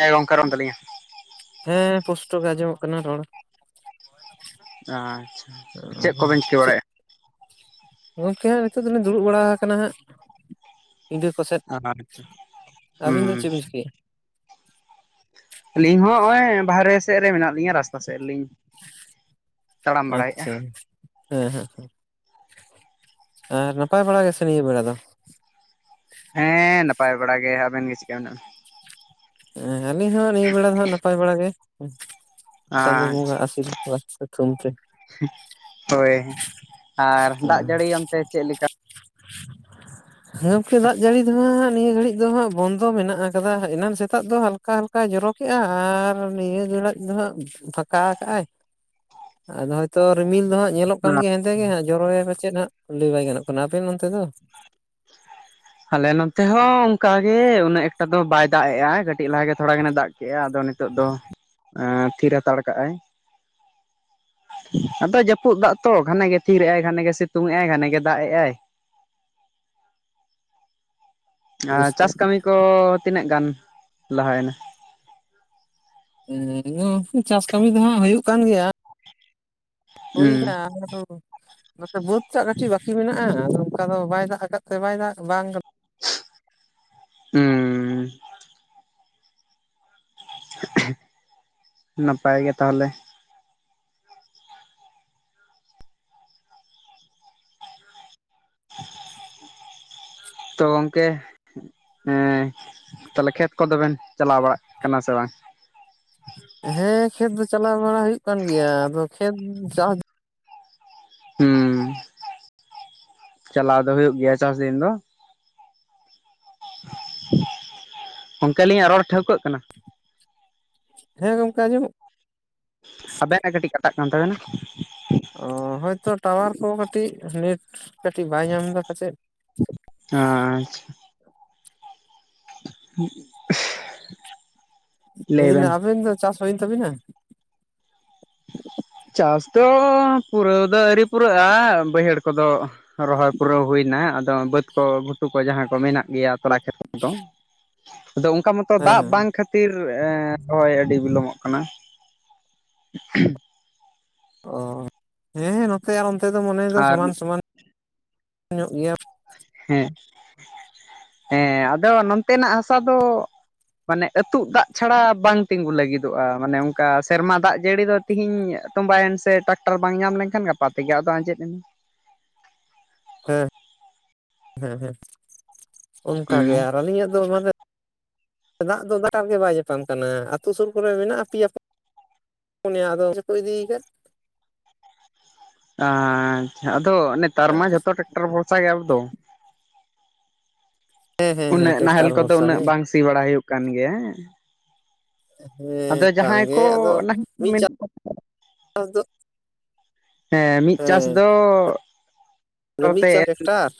ᱦᱮᱸ [unintelligible] ᱛᱟᱹᱞᱤᱧᱟ ᱦᱸ ᱯᱚᱥᱴᱚ ᱜᱮ ᱟᱹᱧᱡᱚᱢᱼᱚ ᱠᱟᱱᱟ ᱨᱚᱲ᱾ ᱟᱪᱪᱷᱟ ᱪᱮᱫ ᱠᱚᱵᱮᱱ ᱪᱤᱠᱟᱹ ᱪᱮᱫ ᱵᱟᱲᱟᱭᱮᱫᱼᱟ? [unintelligible] ᱱᱤᱛᱚᱜ ᱫᱚᱞᱤᱧ ᱫᱩᱲᱩᱵ ᱵᱟᱲᱟ ᱟᱠᱟᱱᱟ ᱦᱟᱸᱜ᱾ ᱯᱤᱰᱟᱹ ᱠᱚᱥᱮᱫ ᱟᱪᱪᱷᱟ ᱟᱹᱵᱤᱱ ᱫᱚ ᱦᱩᱸ ᱪᱮᱫ ᱵᱤᱱ ᱪᱤᱠᱟᱹᱭᱟ? ᱟᱹᱞᱤᱧ ᱦᱚᱸ ᱦᱚᱜᱼᱚᱭ ᱵᱟᱨᱦᱮ ᱥᱮᱫ ᱨᱮ ᱢᱮᱱᱟᱜ ᱞᱤᱧᱟᱹ ᱨᱟᱥᱛᱟ ᱥᱮᱫ ᱨᱮᱞᱤᱧ ᱛᱟᱲᱟᱢ ᱵᱟᱲᱟᱭᱮᱫᱼᱟ ᱟᱪᱪᱷᱟ, ᱦᱮᱸ ᱦᱮᱸ ᱦᱮᱸ, ᱟᱨ ᱱᱟᱯᱟᱭ ᱵᱟᱲᱟ ᱜᱮᱥᱮ ᱱᱤᱭᱟᱹ ᱵᱮᱲᱟ ᱫᱚ? ᱦᱮᱸ ᱱᱟᱯᱟᱭ ᱵᱟᱲᱟ ᱜᱮ ᱾ ᱟᱵᱮᱱ ᱜᱮ ᱪᱤᱜᱠᱟ ᱢᱮᱱᱟᱜ? ᱦᱮᱸ ᱟᱹᱞᱤᱧ ᱦᱚᱸ ᱱᱤᱭᱟᱹ ᱵᱮᱲᱟ ᱫᱚ ᱦᱟᱸᱜ ᱱᱟᱯᱟᱭ ᱵᱟᱲᱟ ᱜᱮ ᱾ ᱵᱮᱱᱟ ᱪᱟᱸᱫᱳ ᱟᱪᱪᱷᱟ ᱵᱚᱸᱜᱟ ᱟᱥᱤᱨᱵᱟᱫᱽ ᱛᱷᱩᱢᱛᱮ ᱾ ᱦᱳᱭ ᱟᱨ ᱫᱟᱜ ᱡᱟᱹᱲᱤ ᱚᱱᱛᱮ ᱪᱮᱫ ᱞᱮᱠᱟ? ᱦᱮᱸ ᱜᱚᱝᱠᱮ ᱫᱟᱜ ᱡᱟᱹᱲᱤᱼᱼ ᱦᱟᱸᱜ ᱱᱤᱭᱟᱹ ᱜᱷᱟᱹᱲᱤᱡ ᱫᱚ ᱦᱟᱸᱜ ᱵᱚᱱᱫᱚ ᱢᱮᱱᱟᱜ ᱟᱠᱟᱫᱟ, ᱮᱱᱟᱱ ᱥᱮᱛᱟᱜ ᱫᱚ ᱦᱟᱞᱠᱟ ᱦᱟᱞᱠᱟᱭ ᱡᱚᱨᱚᱼᱼ ᱠᱮᱜᱼᱟ᱾ ᱟᱨ ᱱᱤᱭᱟᱹ ᱜᱷᱟᱹᱲᱟᱡ ᱫᱚ ᱦᱟᱸᱜ ᱯᱷᱟᱠᱟ ᱠᱟᱜᱼᱟᱭ ᱾ ᱟᱫᱚ ᱦᱭᱳᱼᱼ ᱛᱚ ᱨᱤᱢᱤᱞ ᱫᱚ ᱦᱟᱸᱜ ᱧᱮᱞᱚᱜ ᱠᱟᱱ ᱜᱮᱭᱟ ᱦᱮᱸᱫᱮ ᱜᱮ ᱦᱟᱸᱜ, ᱡᱚᱨᱚ ᱭᱟᱭ ᱯᱟᱪᱮᱫ ᱦᱟᱸᱜ ᱞᱟᱹᱭ ᱵᱟᱭ ᱜᱟᱱᱚᱜ ᱠᱟᱱᱟ ᱾ ᱟᱯᱮ ᱱᱚᱱᱛᱮ ᱫᱚ? [inaudible] ᱟᱞᱮ ᱱᱚᱱᱛᱮ ᱦᱚᱸ ᱚᱝᱠᱟᱜ ᱜᱮ ᱩᱱᱟᱹᱜ ᱮᱠᱴᱟ ᱫᱚ ᱵᱟᱭ ᱫᱟᱜ ᱮᱜᱼᱟᱭ ᱾ ᱠᱟᱹᱴᱤᱡ ᱞᱟᱦᱟ ᱜᱮ ᱛᱷᱚᱲᱟ ᱜᱟᱱᱮ ᱫᱟᱜᱼᱼ ᱠᱮᱜᱼᱟ, ᱟᱫᱚ ᱱᱤᱛᱚᱜ ᱫᱚ ᱛᱷᱤᱨ ᱦᱟᱛᱟᱲ ᱠᱟᱜᱼ ᱟᱭ ᱾ ᱟᱫᱚ ᱡᱟᱹᱯᱩᱫ ᱫᱟᱜ ᱛᱚ ᱜᱷᱟᱱᱮ ᱜᱮ ᱛᱷᱤᱨᱮᱜᱼᱟᱭ ᱜᱷᱟᱱᱮ ᱜᱮ ᱥᱤᱛᱩᱝ ᱮᱜᱼ ᱟᱭ ᱜᱷᱟᱱᱮ ᱜᱮ ᱫᱟᱜ ᱮᱜᱼ ᱟᱭ ᱾ ᱟᱨ ᱪᱟᱥ ᱠᱟᱹᱢᱤ ᱠᱚ ᱛᱤᱱᱟᱹᱜ ᱜᱟᱱ ᱞᱟᱦᱟ ᱭᱮᱱᱟ? ᱦᱩᱸ ᱪᱟᱥ ᱠᱟᱹᱢᱤ ᱫᱚ ᱦᱟᱸᱜ ᱦᱩᱭᱩᱜ ᱠᱟᱱ ᱜᱮᱭᱟ ᱾ ᱦᱩᱸ [unintelligible] ᱱᱚᱛᱮ ᱵᱟᱹᱫᱽ ᱥᱮᱡ ᱠᱟᱹᱴᱤᱡ ᱵᱟᱠᱤ ᱢᱮᱱᱟᱜᱼᱟ ᱟᱫᱚ ᱚᱱᱠᱟ ᱫᱚ ᱵᱟᱭ ᱫᱟᱜ ᱟᱠᱟᱫ ᱛᱮ ᱵᱟᱭ ᱫᱟᱜ ᱵᱟᱝᱼᱼ ᱦᱩᱸ ᱱᱟᱯᱟᱭ ᱜᱮ ᱛᱟᱦᱚᱞᱮ ᱾ [inaudible] ᱛᱚ ᱜᱚᱝᱠᱮ ᱮᱸ ᱛᱟᱦᱞᱮ ᱠᱷᱮᱛ ᱠᱚᱫᱚ ᱵᱮᱱ ᱪᱟᱞᱟᱣ ᱵᱟᱲᱟᱜ ᱠᱟᱱᱟ ᱥᱮ ᱵᱟᱝ? ᱦᱮᱸ ᱠᱷᱮᱛ ᱫᱚ ᱪᱟᱞᱟᱣ ᱵᱟᱲᱟ ᱦᱩᱭᱩᱜ ᱠᱟᱱ ᱜᱮᱭᱟ ᱾ ᱟᱫᱚ ᱠᱷᱮᱛ ᱪᱟᱥᱼᱼ ᱦᱩᱸ᱾ ᱪᱟᱞᱟᱣ ᱫᱚ ᱦᱩᱭᱩᱜ ᱜᱮᱭᱟ ᱪᱟᱥ ᱫᱤᱱ ᱫᱚ ᱾ ᱜᱚᱝᱠᱮ ᱟᱹᱞᱤᱧᱟᱜ ᱨᱚᱲ ᱴᱷᱟᱹᱣᱠᱟᱹᱜ ᱠᱟᱱᱟ? ᱦᱮᱸ ᱜᱚᱝᱠᱮ ᱟᱸᱡᱚᱢᱚᱜᱼᱼ ᱟᱵᱮᱱᱟᱜ ᱠᱟᱹᱴᱤᱡ ᱠᱟᱴᱟᱜ ᱠᱟᱱ ᱛᱟᱵᱮᱱᱟ ᱾ ᱚ ᱦᱳᱭᱛᱚ ᱴᱟᱣᱟᱨ ᱠᱚ ᱠᱟᱹᱴᱤᱡ ᱱᱮᱴ ᱠᱟᱹᱴᱤᱡ ᱵᱟᱭ ᱧᱟᱢ ᱮᱫᱟ ᱯᱟᱪᱮᱫ ᱾ ᱟᱻ ᱟᱪᱪᱷᱟ᱾ [unintelligible] ᱞᱟᱹᱭ ᱫᱟᱞᱤᱧ ᱟᱵᱮᱱ ᱫᱚ ᱪᱟᱥ ᱦᱩᱭᱮᱱ ᱛᱟᱵᱤᱱᱟ? ᱪᱟᱥ ᱫᱚ ᱯᱩᱨᱟᱹᱣ ᱫᱚ ᱟᱹᱣᱨᱤ ᱯᱩᱨᱟᱹᱜᱼᱟ᱾ ᱵᱟᱹᱭᱦᱟᱹᱲ ᱠᱚᱫᱚ ᱾ ᱨᱚᱦᱚᱭ ᱯᱩᱨᱟᱹᱣ ᱦᱩᱭᱱᱟ ᱟᱫᱚ ᱵᱟᱹᱫᱽ ᱠᱚ ᱜᱷᱩᱴᱩ ᱠᱚ ᱡᱟᱦᱟᱸ ᱠᱚ ᱢᱮᱱᱟᱜ ᱜᱮᱭᱟ ᱛᱞᱟ ᱠᱷᱮᱛ ᱠᱚᱨᱮ ᱫᱚ ᱾ ᱟᱫᱚ ᱚᱝᱠᱟ ᱢᱚᱛᱚ ᱦᱮᱸ ᱫᱟᱜ ᱦᱮᱸ ᱵᱟᱝ ᱠᱷᱟᱹᱛᱤᱨ ᱨᱚᱦᱚᱭ ᱟᱹᱰᱤ ᱵᱤᱞᱚᱢᱚᱜ ᱠᱟᱱᱟ ᱾ ᱚ ᱦᱮᱸ ᱦᱮᱸ ᱱᱚᱛᱮ ᱟᱨ ᱚᱱᱛᱮ ᱫᱚ ᱢᱚᱱᱮᱲ ᱫᱟ ᱟᱨ ᱥᱚᱢᱟᱱ ᱥᱚᱢᱟᱱ ᱧᱚᱜ ᱜᱮᱭᱟᱼᱼ ᱦᱮᱸ ᱦᱮᱸ ᱟᱫᱚ ᱱᱚᱱᱛᱮᱱᱟᱜ ᱦᱟᱥᱟ ᱫᱚᱼᱼ ᱢᱟᱱᱮ ᱟᱹᱛᱩᱜ ᱫᱟᱜ ᱪᱷᱟᱲᱟ ᱵᱟᱝ ᱛᱤᱸᱜᱩ ᱞᱟᱹᱜᱤᱫᱚᱜᱼᱟ, ᱢᱟᱱᱮ ᱚᱱᱠᱟ ᱥᱮᱨᱢᱟ ᱫᱟᱜ ᱡᱟᱹᱲᱤ ᱫᱚᱼᱼ ᱛᱤᱦᱤᱧ ᱛᱚᱸᱵᱟᱭᱮᱱ ᱥᱮ ᱴᱟᱠᱴᱟᱨ ᱵᱟᱝ ᱧᱟᱢ ᱞᱮᱱ ᱠᱷᱟᱱ ᱜᱟᱯᱟ ᱛᱮᱜᱮ ᱟᱫᱚ ᱟᱸᱡᱮᱫ ᱮᱱᱟ ᱾ ᱦᱮᱸ ᱦᱮᱸ ᱦᱮᱸ ᱚᱝᱠᱟ ᱜᱮ ᱦᱩᱸ ᱟᱨ ᱟᱹᱞᱤᱧᱟᱜ ᱫᱚ ᱢᱟᱱᱮᱼᱼ ᱫᱟᱜ ᱫᱚ ᱜᱟᱰᱟᱨ ᱜᱮ ᱵᱟᱭ ᱧᱟᱯᱟᱢ ᱠᱟᱱᱟ, ᱟᱹᱛᱩ ᱥᱩᱨ ᱠᱚᱨᱮ ᱢᱮᱱᱟᱜ ᱯᱮᱭᱟᱼᱼ ᱯᱳᱱᱭᱟ ᱫᱚ ᱚᱠᱚᱭ ᱪᱚᱠᱚ ᱤᱫᱤᱭ ᱠᱟᱫ? ᱟ ᱟᱪᱪᱷᱟ ᱟᱫᱚ ᱱᱮᱛᱟᱨ ᱢᱟ ᱡᱷᱚᱛᱚ ᱴᱨᱟᱠᱴᱟᱨ ᱵᱷᱚᱨᱥᱟ ᱜᱮ ᱟᱵᱚ ᱫᱚ ᱾ ᱦᱮᱸ ᱦᱮᱸ ᱦᱮᱸ ᱩᱱᱟᱹᱜ ᱱᱟᱦᱮᱞ ᱴᱮᱠᱴᱟᱨ ᱠᱚᱫᱚ ᱵᱷᱚᱨᱥᱟ ᱩᱱᱟᱹᱜ ᱜᱮ ᱵᱟᱝ ᱥᱤ ᱵᱟᱲᱟ ᱦᱩᱭᱩᱜ ᱠᱟᱱ ᱜᱮᱭᱟ ᱦᱮᱸ ᱾ ᱟᱫᱚ ᱦᱮᱸ ᱡᱟᱦᱟᱸᱭ ᱵᱟᱝᱜᱮ ᱠᱚ ᱟᱫᱚ ᱢᱤᱫ ᱱᱟᱦᱮᱞ ᱪᱟᱥ ᱠᱚ [unintelligible] ᱫᱚ ᱦᱮᱸ ᱢᱤᱫ ᱪᱟᱥ ᱦᱮᱸ ᱫᱚᱼᱼ ᱟᱫᱚ ᱢᱤᱫ ᱪᱟᱥ ᱴᱮᱠᱴᱟᱨᱼᱼ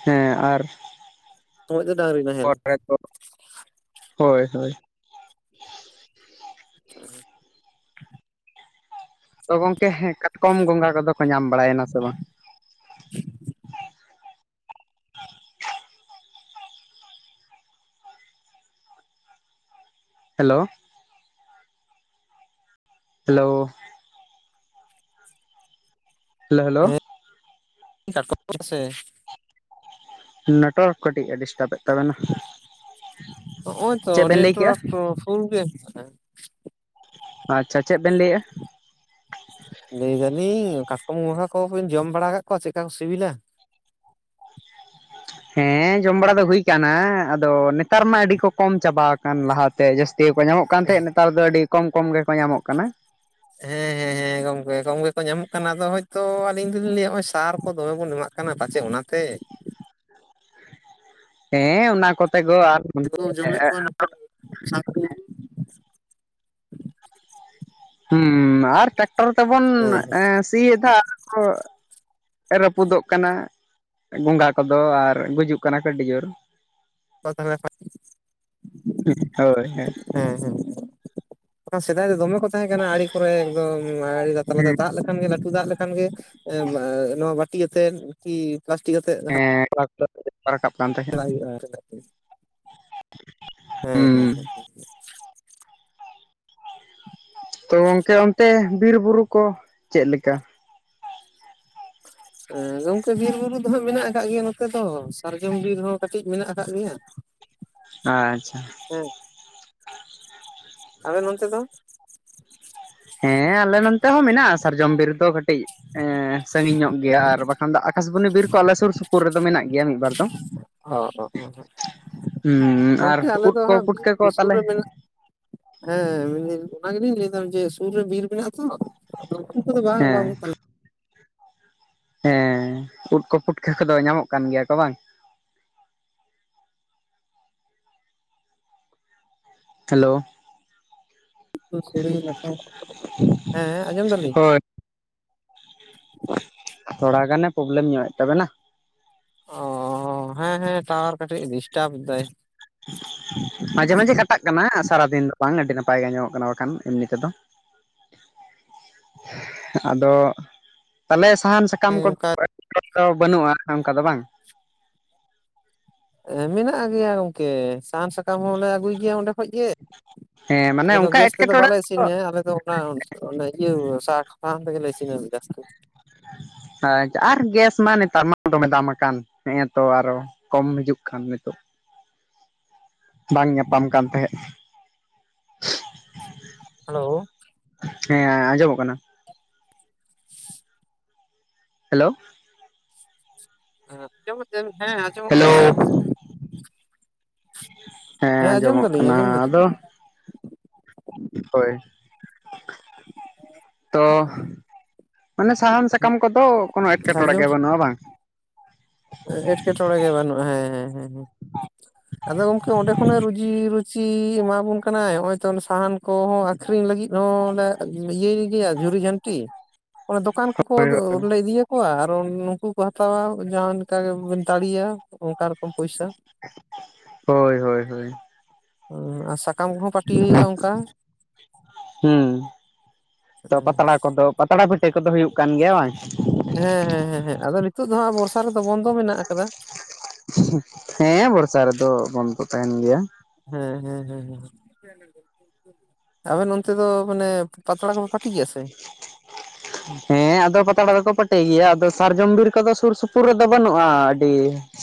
ᱦᱮᱸ ᱟᱨ ᱥᱚᱢᱚᱭ ᱫᱚ ᱰᱟᱝᱨᱤ ᱱᱟᱦᱮᱞ [unintelligible] ᱦᱳᱭ ᱦᱳᱭ᱾ [inaudible] ᱛᱚ ᱜᱚᱝᱠᱮ ᱠᱟᱴᱠᱚᱢ ᱜᱚᱸᱜᱟ ᱠᱚᱫᱚ ᱠᱚ ᱧᱟᱢ ᱵᱟᱲᱟᱭᱮᱱᱟ ᱥᱮ ᱵᱟᱝ? ᱦᱮᱞᱳ ᱦᱮᱞᱳ ᱦᱮᱞᱳ ᱦᱮᱞᱳ ᱦᱮᱸ [inaudible] ᱱᱟᱴᱚᱣᱟᱨᱠ ᱠᱟᱹᱴᱤᱡ ᱮ ᱰᱤᱥᱴᱟᱵ ᱮᱫ ᱛᱟᱵᱮᱱᱟ᱾ ᱱᱚᱜᱼᱚᱭ ᱛᱚ ᱪᱮᱫ ᱵᱮᱱ ᱞᱟᱹᱭ ᱠᱮᱜᱼᱟ ᱱᱮᱴᱚᱣᱟᱨᱠ ᱫᱚ ᱯᱩᱞ ᱜᱮ ᱟᱪᱪᱷᱟ ᱪᱮᱫ ᱵᱮᱱ ᱞᱟᱹᱭᱮᱜᱼᱟ? ᱞᱟᱹᱭ ᱫᱟᱞᱤᱧ ᱠᱟᱥᱴᱚᱢ ᱜᱚᱝᱜᱟ ᱠᱚ ᱵᱤᱱ ᱡᱚᱢ ᱵᱟᱲᱟ ᱠᱟᱫ ᱠᱚᱣᱟ ᱪᱮᱫᱠᱟ ᱠᱚ ᱥᱤᱵᱤᱞᱟ? ᱦᱮᱸ ᱡᱚᱢ ᱵᱟᱲᱟ ᱫᱚ ᱦᱩᱭ ᱠᱟᱱᱟ ᱟᱫᱚ ᱱᱮᱛᱟᱨ ᱢᱟ ᱟᱹᱰᱤ ᱠᱚ ᱠᱚᱢ ᱪᱟᱵᱟᱣ ᱠᱟᱱ ᱞᱟᱦᱟᱛᱮ ᱡᱟᱹᱥᱛᱤ ᱜᱮ ᱠᱚ ᱧᱟᱢᱚᱜ ᱠᱟᱱ ᱛᱟᱦᱮᱸᱫ ᱱᱮᱛᱟᱨ ᱫᱚ ᱟᱹᱰᱤ ᱠᱚᱢ ᱠᱚᱢ ᱜᱮᱠᱚ ᱧᱟᱢᱚᱜ ᱠᱟᱱᱟ᱾ ᱦᱮᱸ ᱦᱮᱸ ᱦᱮᱸ ᱦᱮᱸ ᱜᱚᱝᱠᱮ ᱠᱚᱢ ᱜᱮ ᱠᱚ ᱧᱟᱢᱚᱜ ᱠᱟᱱᱟ ᱟᱫᱚ ᱦᱚᱭᱛᱳ ᱟᱞᱤᱧ ᱫᱚᱞᱤᱧ ᱞᱟᱹᱭᱟ ᱱᱚᱜᱚᱭ ᱥᱟᱨ ᱠᱚ ᱫᱚᱢᱮ ᱵᱚᱱ ᱮᱢᱟᱜ ᱠᱟᱱᱟ ᱯᱟᱪᱷᱮᱜ ᱚᱱᱟᱛᱮ, ᱦᱮᱸ ᱚᱱᱟ ᱠᱚᱛᱮ ᱜᱚ ᱟᱨ [inaudible] ᱦᱮᱸ ᱟᱨ ᱴᱨᱟᱠᱴᱟᱨ ᱛᱮᱵᱚᱱ ᱦᱮᱸ ᱥᱤᱭᱮᱫᱟ [inaudible] ᱨᱟᱹᱯᱩᱫᱚᱜ ᱠᱟᱱᱟ ᱵᱚᱸᱜᱟ ᱠᱚᱫᱚ ᱟᱨ ᱜᱩᱡᱩᱜ ᱠᱟᱱᱟ ᱠᱚ ᱟᱹᱰᱤ ᱡᱳᱨ, ᱦᱮᱸ ᱦᱳᱭ ᱦᱮᱸ ᱦᱮᱸ ᱦᱮᱸ ᱦᱮᱸ ᱥᱮᱫᱟᱭ ᱫᱚ ᱫᱚᱢᱮ ᱠᱚ ᱛᱟᱦᱮᱸ ᱠᱟᱱᱟ ᱟᱲᱮ ᱠᱚᱨᱮ ᱮᱠᱫᱚᱢ ᱟᱲᱮ ᱞᱟᱛᱟ ᱫᱟᱜ ᱞᱮᱠᱷᱟᱱ ᱜᱮ ᱞᱟᱹᱴᱩ ᱫᱟᱜ ᱞᱮ ᱠᱷᱟᱱ ᱜᱮ ᱱᱚᱣᱟ ᱵᱟᱴᱤ ᱟᱛᱮᱫ ᱠᱤ ᱯᱞᱟᱥᱴᱤᱠ ᱟᱛᱮᱫ [inaudible] ᱨᱟᱠᱟᱵ ᱠᱟᱱ ᱛᱟᱭ, ᱪᱟᱞᱟᱜ ᱦᱩᱭᱩᱜ [unintelligible] ᱦᱮᱸ ᱦᱩᱸ ᱦᱮᱸ ᱦᱮᱸ ᱛᱚ ᱜᱚᱢᱠᱮ ᱚᱱᱛᱮ ᱵᱤᱨ ᱵᱩᱨᱩ ᱠᱚ ᱪᱮᱫ ᱞᱮᱠᱟ? ᱦᱮᱸ ᱜᱚᱝᱠᱮ ᱵᱤᱨ ᱵᱩᱨᱩ ᱫᱚ ᱦᱟᱸᱜ ᱢᱮᱱᱟᱜ ᱠᱟᱜ ᱜᱮᱭᱟ ᱱᱚ ᱛᱮᱫᱚ ᱥᱟᱨᱡᱚᱢ ᱵᱤᱨ ᱦᱚᱸ ᱠᱟᱹᱴᱤᱡ ᱢᱮᱱᱟᱜ ᱠᱟᱜ ᱜᱮᱭᱟ᱾ ᱟᱪᱪᱷᱟ, ᱦᱮᱸ, ᱟᱵᱮᱱ ᱚᱱᱛᱮ ᱫᱚ ᱦᱮᱸ ᱟᱞᱮ ᱱᱚᱱᱛᱮ ᱦᱚᱸ ᱢᱮᱱᱟᱜᱼᱟ ᱥᱟᱨᱡᱚᱢ ᱵᱤᱨ ᱫᱚ ᱠᱟᱹᱴᱤᱡ ᱮᱸ ᱥᱟᱺᱜᱤᱧ ᱧᱚᱜ ᱜᱮᱭᱟ ᱟᱨ ᱵᱟ ᱠᱷᱟᱱ ᱫᱚ ᱟᱠᱟᱥᱵᱟᱱᱤ ᱵᱤᱨ ᱠᱚ ᱟᱞᱮ ᱥᱩᱨ ᱥᱩᱯᱩᱨ ᱨᱮᱫᱚ ᱢᱮᱱᱟᱜ ᱜᱮᱭᱟ ᱢᱤᱫ ᱵᱟᱨ ᱫᱚ᱾ ᱦᱚᱜ ᱚ ᱦᱚᱜ ᱚ ᱦᱩᱸ ᱟᱨ ᱜᱚᱢᱠᱮ ᱟᱞᱮ ᱩᱫ ᱫᱚ ᱠᱚ ᱦᱟᱸᱜ ᱯᱩᱴᱠᱟᱹ ᱠᱚ ᱥᱩᱨ ᱛᱟᱞᱮ ᱨᱮ ᱢᱮᱱᱟᱜ ᱦᱮᱸ ᱚᱱᱟ ᱢᱮᱱ ᱫᱟᱹᱧ ᱚᱱᱟ ᱜᱮᱞᱤᱧ ᱞᱟᱹᱭᱫᱟ ᱡᱮ ᱥᱩᱨ ᱨᱮ ᱵᱤᱨ ᱢᱮᱱᱟᱜ ᱟᱛᱚ, ᱩᱱᱠᱩ ᱠᱚ ᱫᱚ ᱵᱟᱝ ᱦᱮᱸ ᱵᱟᱹᱱᱩᱜ ᱛᱟᱞᱮ ᱦᱮᱸ ᱩᱫ ᱠᱚ ᱯᱩᱴᱠᱟᱹ ᱠᱚᱫᱚ ᱧᱟᱢᱚᱜ ᱠᱟᱱ ᱜᱮᱭᱟ ᱠᱚ ᱵᱟᱝ? ᱦᱮᱞᱳ, ᱩᱱᱠᱩ ᱥᱚᱲᱮ ᱞᱮᱴᱚ ᱦᱮᱸ ᱟᱸᱡᱚᱢ ᱫᱟᱞᱤᱧ᱾ ᱦᱳᱭ ᱛᱷᱚᱲᱟ ᱜᱟᱱᱮ ᱯᱨᱚᱵᱞᱮᱢ ᱧᱚᱜᱮᱫ ᱛᱟᱵᱮᱱᱟ᱾ ᱚ ᱦᱮᱸ ᱦᱮᱸ ᱴᱟᱣᱟᱨ ᱠᱟᱹᱴᱤᱡ ᱰᱤᱥᱴᱟᱯ ᱫᱟᱭ᱾ ᱢᱟᱡᱷᱮ ᱢᱟᱡᱷᱮ ᱠᱟᱴᱟᱜ ᱠᱟᱱᱟ ᱥᱟᱨᱟᱫᱤᱱ ᱫᱚ ᱵᱟᱝ ᱟᱹᱰᱤ ᱱᱟᱯᱟᱭ ᱜᱮ ᱟᱸᱡᱚᱢᱚᱜ ᱠᱟᱱᱟ ᱵᱟᱠᱷᱟᱱ ᱮᱢᱱᱤ ᱛᱮᱫᱚ᱾ ᱟᱫᱚ ᱛᱟᱦᱚᱞᱮ ᱥᱟᱦᱟᱱ ᱥᱟ ᱠᱟᱢ ᱦᱮᱸ ᱠᱚᱫᱚ ᱚᱱᱠᱟ [inaudible] ᱵᱟᱹᱱᱩᱜᱼᱟ ᱠᱷᱟᱱ ᱚᱱᱠᱟ ᱫᱚ ᱵᱟᱝ? ᱮ ᱢᱮᱱᱟᱜ ᱜᱮᱭᱟ ᱜᱚᱝᱠᱮ, ᱥᱟᱦᱟᱱ ᱥᱟᱠᱟᱢ ᱦᱚᱸᱞᱮ ᱟᱹᱜᱩᱭ ᱜᱮᱭᱟ ᱚᱸᱰᱮ ᱠᱷᱚᱡ ᱜᱮ, ᱦᱮᱸ, ᱢᱟᱱᱮ ᱟᱞᱮ ᱫᱚ ᱚᱱᱠᱟ ᱜᱮᱥ ᱛᱮᱫᱚ ᱮᱴᱠᱮᱴᱚᱬᱮ ᱵᱟᱞᱮ ᱫᱚ ᱤᱥᱤᱱ ᱜᱮᱭᱟ, ᱟᱞᱮ ᱫᱚ ᱚᱱᱟ ᱚᱱᱟ ᱤᱭᱟᱹ ᱥᱟ ᱥᱟᱦᱟᱱ ᱛᱮᱜᱮᱞᱮ ᱤᱥᱤᱱᱟ ᱜᱮᱥᱛᱮ ᱟᱨ ᱜᱮᱥ ᱢᱟ ᱱᱮᱛᱟᱨ ᱢᱟ ᱫᱚᱢᱮ ᱫᱟᱢ ᱟᱠᱟᱱ ᱦᱮᱸᱛᱚ ᱟᱨᱚ ᱠᱚᱢ ᱦᱤᱡᱩᱜ ᱠᱷᱟᱱ ᱱᱤᱛᱚᱜ ᱵᱟᱝ ᱧᱟᱯᱟᱢ ᱠᱟᱱ ᱛᱟᱦᱮᱸᱜ᱾ ᱦᱮᱞᱳ, ᱦᱮᱸ ᱟᱸᱡᱚᱢᱚᱜ ᱠᱟᱱᱟ᱾ ᱦᱮᱞᱳ, ᱟᱸᱡᱚᱢ [inaudible] ᱦᱮᱸ ᱟᱸᱡᱚᱢᱚᱜ ᱠᱟᱱᱟ ᱦᱮᱞᱳ ᱥᱮ᱾ ᱦᱮᱸ ᱟᱸᱡᱚᱢ ᱟᱸᱡᱚᱢᱚᱜ ᱫᱟᱞᱤᱧ ᱠᱟᱱᱟ ᱟᱸᱡᱚᱢ ᱟᱫᱚ ᱫᱟᱞᱤᱧ ᱦᱳᱭ᱾ ᱛᱚ ᱢᱟᱱᱮ ᱥᱟᱦᱟᱱ ᱥᱟᱠᱟᱢ ᱠᱚᱫᱚ ᱠᱚᱱᱚ ᱮᱸᱴᱠᱮᱴᱚᱲᱮ ᱜᱮ ᱵᱟᱹᱱᱩᱜᱼᱟ ᱦᱮᱸ ᱵᱟᱝ? ᱮᱸᱴᱠᱮᱴᱚᱬᱮ ᱜᱮ ᱵᱟᱹᱱᱩᱜᱼᱟ ᱦᱮᱸ ᱦᱮᱸ ᱦᱮᱸ ᱦᱮᱸ᱾ [inaudible] ᱟᱫᱚ ᱜᱚᱝᱠᱮ ᱚᱸᱰᱮ ᱠᱷᱚᱱᱮ ᱨᱩᱡᱤ ᱨᱩᱪᱤ ᱮᱢᱟᱵᱚᱱ ᱠᱟᱱᱟᱭ ᱦᱚᱜ-ᱚᱭ ᱛᱚ ᱥᱟᱦᱟᱱ ᱠᱚᱦᱚᱸ ᱟᱹᱠᱷᱨᱤᱧ ᱞᱟᱹᱜᱤᱫ ᱦᱚᱸ ᱞᱮ ᱤᱭᱟᱹᱭ ᱜᱮᱭᱟ ᱡᱷᱩᱨᱤ ᱡᱷᱟᱹᱱᱴᱤ, ᱚᱱᱮ ᱫᱚᱠᱟᱱ ᱠᱚᱠᱚ ᱦᱳᱭ ᱤᱫᱤᱭᱟᱠᱚᱣᱟ ᱟᱨ ᱩᱱᱩᱠᱩ ᱠᱚ ᱦᱟᱛᱟᱣᱟ ᱡᱟᱦᱟᱸ ᱠᱟ ᱜᱮᱵᱮᱱ ᱛᱟᱹᱲᱤᱭᱟ ᱚᱱᱠᱟ ᱨᱚᱠᱚᱢ ᱯᱚᱭᱥᱟ᱾ ᱦᱳᱭ ᱦᱳᱭ ᱦᱳᱭ ᱚ ᱟᱥᱟ ᱦᱩᱸ ᱛᱚ ᱦᱮᱸ ᱯᱟᱛᱲᱟ ᱠᱚᱫᱚ ᱯᱟᱛᱲᱟ ᱯᱟᱹᱴᱤ ᱠᱚᱫᱚ ᱦᱩᱭᱩᱜ ᱠᱟᱱ ᱜᱮᱭᱟ ᱵᱟᱝ? ᱦᱮᱸ ᱦᱮᱸ ᱦᱮᱸ ᱦᱮᱸ ᱟᱫᱚ ᱱᱤᱛᱚᱜ ᱫᱚ ᱦᱟᱸᱜ ᱵᱚᱨᱥᱟ ᱨᱮᱫᱚ ᱵᱚᱱᱫᱚ ᱢᱮᱱᱟᱜ ᱟᱠᱟᱫᱟ᱾ ᱦᱮᱸ ᱵᱚᱨᱥᱟ ᱨᱮᱫᱚ ᱵᱚᱱᱫᱚ ᱛᱟᱦᱮᱱ ᱜᱮᱭᱟ᱾ ᱦᱮᱸ ᱦᱮᱸ ᱦᱮᱸ ᱦᱮᱸ ᱦᱮᱸ᱾ ᱟᱵᱮᱱ ᱚᱱᱛᱮ ᱫᱚ ᱢᱟᱱᱮ ᱯᱟᱛᱲᱟ ᱠᱚᱯᱮ ᱯᱟᱹᱴᱤ ᱜᱮᱭᱟ ᱥᱮ? ᱦᱮᱸ ᱟᱫᱚ ᱯᱟᱛᱲᱟ ᱫᱚᱠᱚ ᱯᱟᱹᱴᱤ ᱜᱮᱭᱟ ᱟᱫᱚ ᱥᱟᱨᱡᱚᱢ ᱵᱤᱨ ᱠᱚᱫᱚ ᱥᱩᱨ ᱥᱩᱯᱩᱨ ᱨᱮᱫᱚ ᱵᱟᱹᱱᱩᱜᱼᱟ ᱟᱹᱰᱤ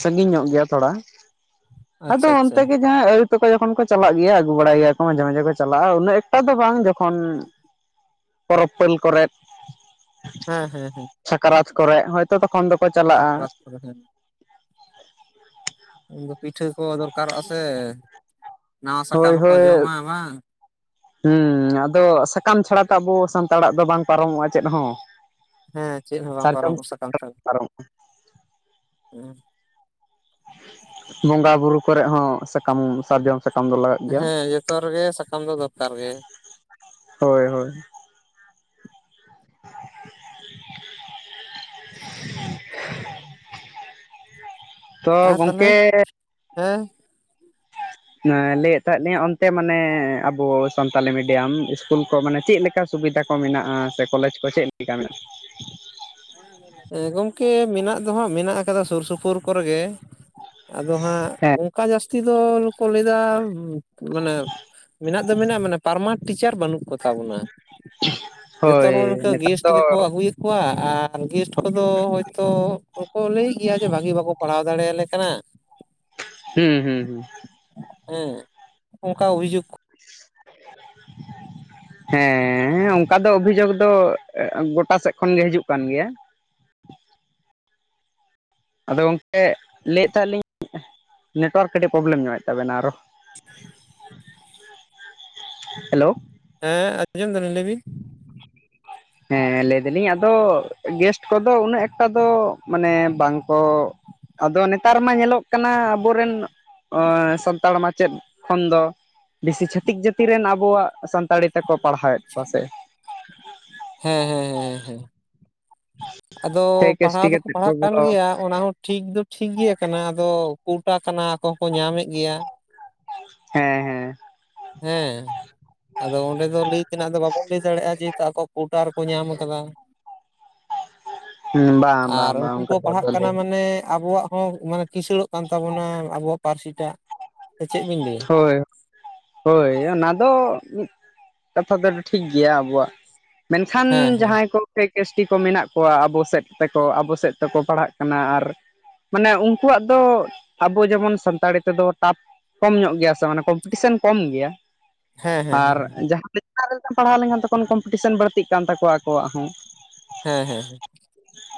ᱥᱟᱺᱜᱤᱧ ᱧᱚᱜ ᱜᱮᱭᱟ ᱛᱷᱚᱲᱟ ᱟᱫᱚ ᱟᱪᱪᱷᱟ ᱟᱪᱪᱷᱟ ᱚᱱᱛᱮ ᱜᱮ ᱡᱟᱦᱟᱸ ᱟᱹ ᱛᱟ ᱡᱚᱠᱷᱚᱱ ᱠᱚ ᱪᱟᱞᱟᱜ ᱜᱮᱭᱟ ᱟᱹᱜᱩ ᱵᱟᱲᱟᱭ ᱜᱮᱭᱟ ᱠᱚ ᱢᱟᱡᱷᱮ ᱢᱟᱡᱷᱮ ᱠᱚ ᱪᱟᱞᱟᱜᱼᱟ ᱩᱱᱟᱹᱜ ᱮᱠᱴᱟ ᱫᱚ ᱵᱟᱝ ᱡᱚᱠᱷᱚᱱ ᱯᱚᱨᱚᱵᱽ ᱯᱟᱹᱞ ᱠᱚᱨᱮᱫ ᱦᱮᱸ ᱦᱮᱸ᱾ ᱥᱟᱠᱨᱟᱛ ᱠᱚᱨᱮᱜ ᱦᱚᱭᱛᱚ ᱛᱚᱠᱷᱚᱱ ᱫᱚᱠᱚ ᱪᱟᱞᱟᱜᱼᱟ᱾ [unintelligible] ᱯᱤᱴᱷᱟᱹ ᱠᱚ ᱫᱚᱨᱠᱟᱨᱚᱜ-ᱟ ᱥᱮ ᱱᱟᱣᱟ ᱥᱟᱠᱟᱢ ᱦᱳᱭ ᱨᱮᱠᱚ ᱦᱳᱭ ᱡᱚᱢᱟ ᱵᱟᱝ? ᱦᱩᱸ, ᱟᱫᱚ ᱥᱟᱠᱟᱢ ᱪᱷᱟᱲᱟ ᱛᱚ ᱟᱵᱚ ᱥᱟᱱᱛᱟᱲᱟᱜ ᱫᱚ ᱵᱟᱝ ᱯᱟᱨᱚᱢᱚᱜᱼᱟ ᱪᱮᱫ ᱦᱚᱸ ᱦᱮᱸ ᱪᱮᱫ ᱦᱚᱸ ᱵᱟᱝ ᱥᱟᱨᱡᱚᱢ ᱯᱚᱨᱚᱢᱚᱜ-ᱟ ᱥᱟᱠᱟᱢ ᱪᱷᱟᱲᱟ ᱯᱟᱨᱚᱢᱚᱜᱼᱟ ᱦᱩᱸ ᱵᱚᱸᱜᱟ ᱵᱩᱨᱩ ᱠᱚᱨᱮᱜ ᱦᱚᱸ ᱥᱟᱠᱟᱢ ᱥᱟᱨᱡᱚᱢᱼᱼ ᱥᱟᱠᱟᱢ ᱫᱚ ᱞᱟᱜᱟᱜ ᱜᱮᱭᱟ ᱦᱮᱸ ᱡᱚᱛᱚ ᱨᱮᱜᱮ ᱥᱟᱠᱟᱢ ᱫᱚ ᱫᱚᱨᱠᱟᱨ ᱜᱮ ᱦᱳᱭ ᱦᱳᱭ᱾ [inaudible] ᱛᱚ ᱟᱨ ᱛᱟᱦᱚᱞᱮ ᱜᱚᱝᱠᱮ ᱦᱮᱸ ᱞᱟᱹᱭᱮᱫ ᱛᱟᱦᱮᱸᱫ ᱞᱤᱧ ᱚᱱᱛᱮ ᱢᱟᱱᱮ ᱟᱵᱚ ᱥᱟᱱᱛᱟᱞᱤ ᱢᱤᱰᱤᱭᱟᱢ ᱤᱥᱠᱩᱞ ᱠᱚ ᱢᱟᱱᱮ ᱪᱮᱫ ᱞᱮᱠᱟ ᱠᱟ ᱥᱩᱵᱤᱫᱷᱟ ᱠᱚ ᱢᱮᱱᱟᱜᱼᱟ ᱥᱮ ᱠᱚᱞᱮᱡᱽ ᱠᱚ ᱪᱮᱫ ᱞᱮᱠᱟ ᱢᱮᱱᱟᱜᱼᱟ? ᱦᱮᱸ ᱜᱚᱢᱠᱮ ᱢᱮᱱᱟᱜ ᱫᱚ ᱦᱟᱸᱜ ᱢᱮᱱᱟᱜ ᱠᱟᱫᱟ ᱥᱩᱨ ᱥᱩᱯᱩᱨ ᱠᱚᱨᱮᱜ ᱜᱮ ᱟᱫᱚ ᱦᱟᱸᱜ ᱦᱮᱸ ᱚᱱᱠᱟ ᱡᱟᱹᱥᱛᱤ ᱫᱚᱠᱚ ᱞᱟᱹᱭᱫᱟ ᱢᱟᱱᱮ ᱢᱮᱱᱟᱜ ᱫᱚ ᱢᱮᱱᱟᱜᱼᱟ ᱢᱟᱱᱮ ᱯᱟᱨᱢᱟᱱᱴ ᱴᱤᱪᱟᱨ ᱵᱟᱹᱱᱩᱜ ᱠᱚ ᱛᱟᱵᱚᱱᱟ᱾ ᱡᱚᱛᱚ ᱱᱚᱜᱼᱚ ᱦᱳᱭ ᱱᱚᱝᱠᱟ ᱱᱮᱛᱟᱨ ᱜᱮᱥᱴ ᱫᱚ ᱜᱮᱠᱚ ᱟᱹᱜᱩᱭᱮᱫ ᱠᱚᱣᱟ ᱟᱨ ᱟᱨ ᱜᱮᱥᱴ ᱠᱚᱫᱚ ᱦᱚᱭᱛᱳ ᱠᱚ ᱞᱟᱹᱭᱮᱫ ᱜᱮᱭᱟ ᱡᱮ ᱵᱷᱟᱹᱜᱤ ᱵᱟᱠᱚ ᱯᱟᱲᱦᱟᱣ ᱫᱟᱲᱮᱭᱟᱞᱮ ᱠᱟᱱᱟ᱾ ᱦᱩᱸ ᱦᱩᱸ ᱦᱩᱸ᱾ ᱦᱮᱸ ᱚᱱᱠᱟ ᱚᱵᱷᱤᱡᱳᱜᱽ [unintelligible] ᱦᱮᱸ ᱚᱱᱠᱟ ᱫᱚ ᱚᱵᱷᱤᱡᱳᱜ ᱫᱚ ᱜᱚᱴᱟ ᱥᱮᱫ ᱠᱷᱚᱱ ᱜᱮ ᱦᱤᱡᱩᱜ ᱠᱟᱱ ᱜᱮᱭᱟ᱾ ᱟᱫᱚ ᱜᱚᱝᱠᱮ ᱞᱟᱹᱭᱮᱫ ᱛᱟᱦᱮᱸ ᱞᱤᱧ ᱱᱮᱴᱣᱟᱨᱠ ᱠᱟᱹᱴᱤᱡ ᱯᱨᱚᱵᱞᱮᱢ ᱧᱚᱜᱮᱫ ᱛᱟᱵᱮᱱᱟ ᱟᱨᱚ᱾ ᱦᱮᱞᱳ᱾ ᱦᱮᱸ ᱟᱸᱡᱚᱢ ᱫᱟᱞᱤᱧ ᱞᱟᱹᱭ ᱵᱤᱱ᱾ ᱦᱮᱸ ᱞᱟᱹᱭ ᱫᱟᱞᱤᱧ ᱟᱫᱚ ᱜᱮᱥᱴ ᱠᱚᱫᱚ ᱩᱱᱟᱹᱜ ᱮᱠᱴᱟ ᱫᱚ ᱢᱟᱱᱮ ᱵᱟᱝᱠᱚᱼᱼ ᱟᱫᱚ ᱱᱮᱛᱟᱨ ᱢᱟ ᱧᱮᱞᱚᱜ ᱠᱟᱱᱟ ᱟᱵᱚᱨᱮᱱ ᱥᱟᱱᱛᱟᱲ ᱚ ᱢᱟᱪᱮᱫᱼᱼ ᱠᱷᱚᱱ ᱫᱚ ᱵᱮᱥᱤ ᱪᱷᱟᱹᱛᱤᱠ ᱡᱟᱹᱛᱤ ᱨᱮᱱ ᱟᱵᱚᱣᱟᱜ ᱥᱟᱱᱛᱟᱲᱤ ᱛᱮᱠᱚ ᱯᱟᱲᱦᱟᱣᱮᱫ ᱠᱚᱣᱟ ᱥᱮ᱾ ᱦᱮᱸ ᱦᱮᱸ ᱦᱮᱸ ᱦᱮᱸ ᱦᱮᱸ᱾ ᱟᱫᱚ ᱴᱷᱮᱠ ᱯᱟᱲᱦᱟᱣ ᱮᱥᱴᱤ ᱫᱚᱠᱚ ᱠᱟᱛᱮᱫ ᱠᱚ ᱯᱟᱲᱦᱟᱜ ᱠᱟᱱ ᱵᱚᱞᱚ ᱜᱮᱭᱟ ᱚᱱᱟ ᱦᱚᱸᱼᱼ ᱴᱷᱤᱠ ᱫᱚ ᱴᱷᱤᱠ ᱜᱮ ᱠᱟᱱᱟ ᱟᱫᱚ ᱠᱳᱴᱟ ᱠᱟᱱᱟ ᱟᱠᱚ ᱦᱚᱸᱠᱚ ᱧᱟᱢᱮᱫ ᱜᱮᱭᱟ᱾ ᱦᱮᱸ ᱦᱮᱸ᱾ ᱦᱮᱸ᱾ ᱟᱫᱚ ᱚᱸᱰᱮ ᱫᱚ ᱞᱟᱹᱭ ᱛᱮᱱᱟᱜ ᱫᱚ ᱵᱟᱵᱚᱱ ᱞᱟᱹᱭ ᱫᱟᱲᱮᱭᱟᱜᱼᱟ ᱡᱮᱦᱮᱛᱩ ᱟᱠᱚᱣᱟᱜ ᱠᱳᱣᱴᱟ ᱨᱮᱠᱚ ᱧᱟᱢ ᱠᱟᱫᱟ᱾ ᱦᱮᱸ ᱵᱟᱝ ᱟᱨ ᱵᱟᱝ ᱵᱟᱝ ᱩᱱᱠᱩ ᱠᱚ ᱚᱱᱠᱟ ᱫᱚ ᱯᱟᱲᱦᱟᱜ ᱵᱟᱞᱮ ᱠᱟᱱᱟ ᱢᱟᱱᱮ ᱟᱵᱚᱣᱟᱜᱼᱼ ᱦᱚᱸ ᱢᱟᱱᱮ ᱠᱤᱥᱟᱹᱲᱚᱜ ᱠᱟᱱ ᱛᱟᱵᱚᱱᱟ ᱟᱵᱚᱣᱟᱜ ᱯᱟᱹᱨᱥᱤᱴᱟᱜ ᱥᱮ ᱪᱮᱫ ᱵᱤᱱ ᱞᱟᱹᱭᱟ? ᱦᱳᱭ ᱷᱳᱭ ᱚᱱᱟ ᱫᱚᱼᱼ ᱠᱟᱛᱷᱟ ᱫᱚ ᱴᱷᱤᱠ ᱜᱮᱭᱟ ᱟᱵᱚᱣᱟᱜᱼᱼ ᱢᱮᱱᱠᱷᱟᱱ ᱦᱮᱸ ᱦᱮᱸ ᱡᱟᱦᱟᱸᱭ ᱠᱚ ᱯᱷᱮᱠ ᱮᱥᱴᱤ ᱠᱚ ᱢᱮᱱᱟᱜ ᱠᱚᱣᱟ ᱟᱵᱚ ᱥᱮᱫ ᱛᱮᱠᱚ ᱟᱵᱚ ᱥᱮᱫ ᱛᱮᱠᱚ ᱯᱟᱲᱦᱟᱜᱼᱼ ᱠᱟᱱᱟ ᱟᱨ ᱢᱟᱱᱮ ᱩᱱᱠᱩᱣᱟᱜ ᱫᱚ ᱟᱵᱚ ᱡᱮᱢᱚᱱ ᱥᱟᱱᱛᱟᱲᱤ ᱛᱮᱫᱚ ᱴᱟᱯᱼᱼ ᱠᱚᱢ ᱧᱚᱜ ᱜᱮᱭᱟ ᱥᱮ ᱢᱟᱱᱮ ᱠᱚᱢ ᱯᱤᱴᱤᱥᱮᱱ ᱠᱚᱢ ᱜᱮᱭᱟ ᱦᱮᱸ ᱦᱮᱸ ᱟᱨ ᱦᱮᱸ ᱡᱟᱦᱟᱸᱼᱼ [inaudible] ᱯᱟᱲᱦᱟᱣ ᱞᱮᱱᱠᱷᱟᱱ ᱠᱚᱢ ᱠᱚᱢᱯᱤᱴᱤᱥᱮᱱ ᱵᱟᱲᱛᱤᱜ ᱠᱟᱱ ᱛᱟᱠᱚᱣᱟ ᱟᱠᱚᱣᱟᱜ ᱦᱚᱸ᱾ ᱦᱮᱸ ᱦᱮᱸ᱾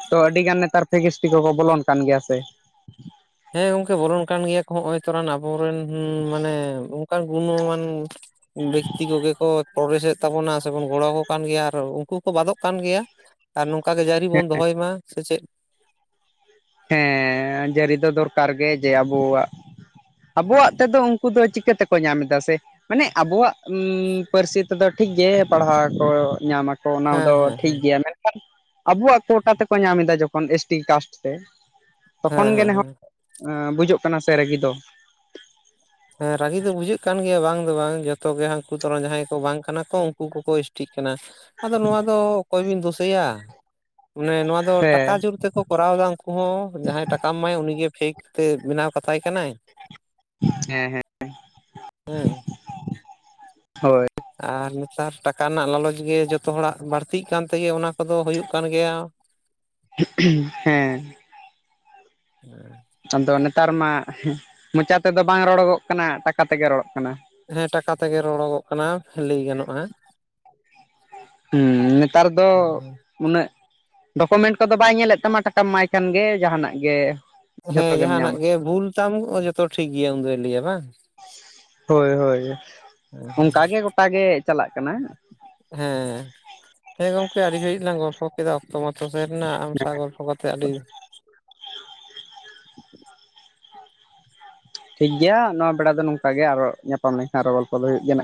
ᱛᱚ ᱟᱹᱰᱤᱜᱟᱱ ᱱᱮᱛᱟᱨ ᱯᱷᱮᱠ ᱤᱥ ᱴᱤ ᱠᱚᱠᱚ ᱵᱚᱞᱚᱱ ᱠᱟᱱ ᱜᱮᱭᱟ ᱥᱮ᱾ ᱦᱮᱸ ᱜᱚᱢᱠᱮ ᱵᱚᱞᱚᱱ ᱠᱟᱱ ᱜᱮᱭᱟ ᱠᱚ ᱱᱚᱜᱼᱚᱭ ᱛᱚᱨᱟᱱ ᱟᱵᱚᱨᱮᱱ ᱦᱩ ᱢᱟᱱᱮ ᱚᱱᱠᱟᱱ ᱜᱩᱱᱚᱢᱟᱱ ᱵᱮᱠᱛᱤ ᱠᱚᱜᱮ ᱠᱚ ᱯᱨᱚᱵᱮᱥᱮᱫ ᱛᱟᱵᱚᱱᱟ ᱥᱮᱵᱚᱱ ᱜᱚᱲᱚ ᱟᱠᱚ ᱠᱟᱱ ᱜᱮᱭᱟ ᱟᱨ ᱩᱱᱠᱩ ᱦᱚᱸᱠᱚ ᱵᱟᱫᱚᱜ ᱠᱟᱱ ᱜᱮᱭᱟ, ᱟᱨ ᱱᱚᱝᱠᱟ ᱜᱮ ᱡᱟᱹᱨᱤ ᱵᱚᱱ ᱫᱚᱦᱚᱭ ᱢᱟ᱾ ᱥᱮ ᱪᱮᱫ! ᱦᱮᱸᱻ ᱡᱟᱹᱨᱤ ᱫᱚ ᱫᱚᱨᱠᱟᱨ ᱜᱮ ᱡᱮ ᱟᱵᱚᱣᱟᱜ᱾ ᱟᱵᱚᱣᱟᱜ ᱛᱮᱫᱚ ᱩᱱᱠᱩ ᱫᱚ ᱪᱤᱠᱟᱹ ᱛᱮᱠᱚ ᱧᱟᱢ ᱮᱫᱟ ᱥᱮ? ᱢᱟᱱᱮ ᱟᱵᱚᱣᱟᱜ ᱯᱟᱹᱨᱥᱤ ᱛᱮᱫᱚ ᱴᱷᱤᱠ ᱜᱮ ᱯᱟᱲᱦᱟᱣ ᱠᱚ ᱧᱟᱢᱟ᱾ ᱚᱱᱟ ᱫᱚ ᱦᱮᱸ ᱦᱮᱸ ᱴᱷᱤᱠ ᱦᱮᱸ ᱜᱮᱭᱟ ᱢᱮᱱᱠᱷᱟᱱ ᱟᱵᱚᱣᱟᱜ ᱠᱳᱴᱟ ᱛᱮᱠᱚ ᱧᱟᱢ ᱮᱫᱟ ᱡᱚᱠᱷᱚᱱ ᱮᱥ ᱴᱤ ᱠᱟᱥᱴ᱾ ᱛᱚᱠᱷᱚᱱ ᱦᱮᱸ ᱜᱮ ᱦᱮᱸ ᱱᱟᱜᱷ ᱦᱮᱸ ᱵᱩᱡᱩᱜ ᱠᱟᱱᱟ ᱥᱮ ᱨᱟᱹᱜᱤ ᱫᱚ᱾ ᱦᱮᱸ ᱨᱟᱹᱜᱤ ᱫᱚ ᱵᱩᱡᱷᱟᱹᱜ ᱠᱟᱱ ᱜᱮᱭᱟ ᱵᱟᱝ ᱫᱚ ᱵᱟᱝ ᱡᱚᱛᱚ ᱜᱮ ᱦᱟᱹᱠᱩ ᱛᱚᱨᱚᱢ ᱡᱟᱦᱟᱸᱭ ᱠᱚ ᱵᱟᱝ ᱠᱟᱱᱟ ᱠᱚ ᱩᱱᱠᱩ ᱠᱚᱠᱚ ᱮᱥ ᱴᱷᱤᱠ ᱠᱟᱱᱟ, ᱟᱫᱚ ᱱᱚᱣᱟ ᱫᱚ ᱚᱠᱚᱭ ᱵᱤᱱ ᱫᱤᱥᱩᱟᱹᱭᱟ ᱢᱟᱱᱮ ᱱᱚᱣᱟ ᱫᱚ ᱴᱟᱠᱟ ᱦᱮᱸ ᱡᱳᱨ ᱛᱮᱠᱚ ᱠᱚᱨᱟᱣ ᱮᱫᱟ ᱩᱱᱠᱩ ᱦᱚᱸ ᱡᱟᱦᱟᱸᱭ ᱴᱟᱠᱟᱢ ᱮᱢᱟᱭ ᱩᱱᱤ ᱜᱮ ᱯᱷᱮᱠ ᱛᱮ ᱵᱮᱱᱟᱣ ᱠᱟᱛᱟᱭ ᱠᱟᱱᱟᱭ᱾ ᱦᱮᱸ ᱦᱮᱸ ᱦᱮᱸ ᱦᱳᱭ ᱟᱨ ᱱᱮᱛᱟᱨ ᱴᱟᱠᱟ ᱨᱮᱱᱟᱜ ᱞᱟᱞᱚᱪ ᱜᱮ ᱡᱚᱛᱚ ᱦᱚᱲᱟᱜ ᱵᱟᱹᱲᱛᱤᱜ ᱠᱟᱱ ᱛᱮᱜᱮ ᱚᱱᱟ ᱠᱚᱫᱚ ᱦᱩᱭᱩᱜ ᱠᱟᱱ ᱜᱮᱭᱟ᱾ ᱦᱮᱸ ᱦᱮᱸ ᱟᱫᱚ ᱱᱮᱛᱟᱨ ᱢᱟ ᱢᱚᱪᱟ ᱛᱮᱫᱚ ᱵᱟᱝ ᱨᱚᱲᱚᱜᱚᱜ ᱠᱟᱱᱟ ᱴᱟᱠᱟ ᱛᱮᱜᱮ ᱨᱚᱲᱚᱜ ᱠᱟᱱᱟ᱾ ᱦᱮᱸ ᱴᱟᱠᱟ ᱛᱮᱜᱮ ᱨᱚᱲᱚᱜᱚᱜ ᱠᱟᱱᱟ ᱞᱟᱹᱭ ᱜᱟᱱᱚᱜᱼᱟ᱾ ᱦᱩᱸ ᱱᱮᱛᱟᱨ ᱫᱚ ᱩᱱᱟᱜ ᱰᱚᱠᱚᱢᱮᱱᱴ ᱠᱚᱫᱚ ᱵᱟᱭ ᱧᱮᱞᱮᱫ ᱛᱟᱢᱟ ᱴᱟᱠᱟᱢ ᱮᱢᱟᱭ ᱠᱷᱟᱱ ᱜᱮ ᱡᱟᱸᱦᱟᱱᱟᱜ ᱜᱮ᱾ ᱦᱮᱸ ᱡᱷᱚᱛᱚ ᱜᱮᱢ ᱡᱟᱸᱦᱟᱱᱟᱜ ᱧᱟᱢᱟ ᱜᱮ ᱵᱷᱩᱞ ᱛᱟᱢ ᱡᱚᱛᱚ ᱴᱷᱤᱠ ᱜᱮᱭᱟ ᱩᱱᱫᱚᱭ ᱞᱟᱹᱭᱟ ᱵᱟᱝ᱾ ᱦᱳᱭ ᱦᱳᱭ ᱚᱝᱠᱟ ᱜᱮ ᱜᱚᱴᱟ ᱜᱮ ᱪᱟᱞᱟᱜ ᱠᱟᱱᱟ᱾ ᱦᱮᱸ, ᱦᱮᱸ ᱜᱚᱢᱠᱮ ᱟᱹᱰᱤ ᱜᱷᱟᱹᱲᱤᱡ ᱞᱟᱝ ᱜᱚᱞᱯᱷᱚ ᱠᱮᱫᱟ ᱚᱠᱛᱚ ᱢᱟᱛᱚ ᱥᱮᱱᱽᱱᱟ ᱟᱢ ᱥᱟᱣ ᱜᱚᱞᱯᱷᱚ ᱠᱟᱛᱮᱜ ᱟᱹᱰᱤ ᱴᱷᱤᱠ ᱜᱮᱭᱟ ᱱᱚᱣᱟ ᱵᱮᱲᱟ ᱫᱚ ᱱᱚᱝᱠᱟ ᱜᱮ ᱟᱨᱚ ᱧᱟᱯᱟᱢ ᱞᱮᱝᱠᱷᱟᱱ ᱟᱨᱚ ᱜᱚᱞᱯᱚ ᱫᱚ ᱦᱩᱭᱩᱜ ᱜᱮ ᱱᱟᱜ᱾